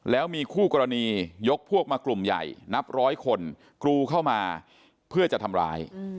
แล้วมีคู่กรณียกพวกมากลุ่มใหญ่นับร้อยคนกรูเข้ามาเพื่อจะทำร้าย